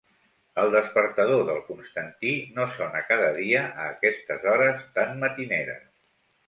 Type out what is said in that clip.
El despertador del Constantí no sona cada dia a aquestes hores tan matineres.